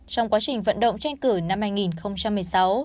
trong quá trình vận động tranh cử năm hai nghìn một mươi sáu